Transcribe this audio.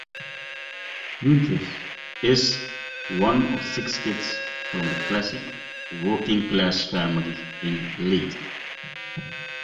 Hughes is "one of six kids from the classic, working-class family" in Leith.